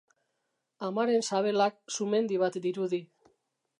Amaren sabelak sumendi bat dirudi.